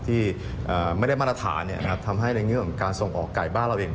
ที่ไม่ได้มาตรฐานทำให้ในแง่ของการส่งออกไก่บ้านเราเอง